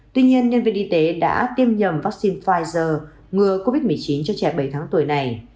tuy nhiên nhân viên y tế đã tiêm nhầm vaccine pfizer ngừa covid một mươi chín cho trẻ bảy tháng tuổi này